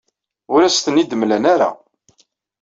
Ur asen-ten-id-mlan ara.